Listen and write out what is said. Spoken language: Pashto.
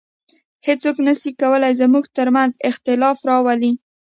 هیڅوک نسي کولای زموږ تر منځ اختلاف راولي